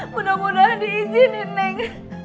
mudah mudahan diizinin neng